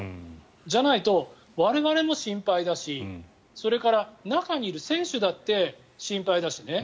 じゃないと、我々も心配だしそれから中にいる選手だって心配だしね。